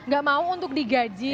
gak mau untuk digaji